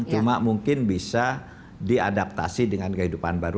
cuma mungkin bisa diadaptasi dengan kehidupan baru